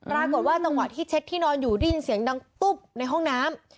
ปรากฏว่าจังหวะที่เช็ดที่นอนอยู่ได้ยินเสียงดังตุ๊บในห้องน้ำ